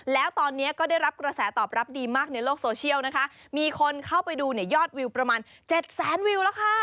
แล้วตอนนี้ก็ได้รับกระแสตอบรับดีมากในโลกโซเชียลนะคะมีคนเข้าไปดูเนี่ยยอดวิวประมาณเจ็ดแสนวิวแล้วค่ะ